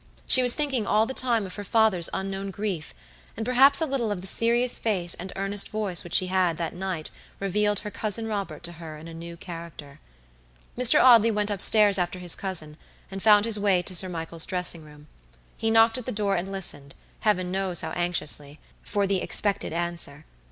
She was thinking all the time of her father's unknown grief, and perhaps a little of the serious face and earnest voice which had that night revealed her Cousin Robert to her in a new character. Mr. Audley went up stairs after his cousin, and found his way to Sir Michael's dressing room. He knocked at the door and listened, Heaven knows how anxiously, for the expected answer.